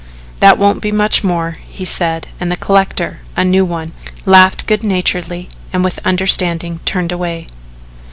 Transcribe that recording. "That won't be much more," he said, and the collector, a new one, laughed good naturedly and with understanding turned away.